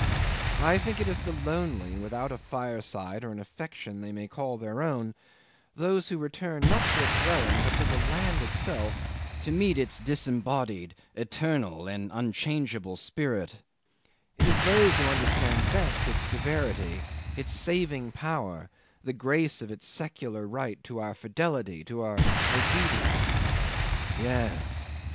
I think it is the lonely, without a fireside or an affection they may call their own, those who return not to a dwelling but to the land itself, to meet its disembodied, eternal, and unchangeable spirit it is those who understand best its severity, its saving power, the grace of its secular right to our fidelity, to our obedience. Yes!